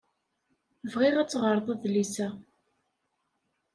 Bɣiɣ ad teɣreḍ adlis-a.